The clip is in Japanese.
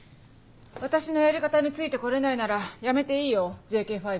私のやり方について来れないならやめていいよ